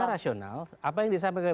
secara rasional apa yang disampaikan